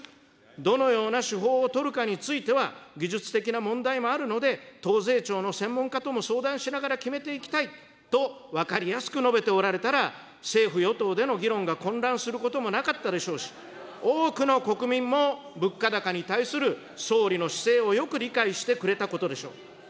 どのような手法を取るかについては、技術的な問題もあるので、党税調の専門家とも相談しながら決めていきたいと、分かりやすく述べておられたら、政府・与党での議論が混乱することもなかったでしょうし、多くの国民も物価高に対する総理の姿勢をよく理解してくれたことでしょう。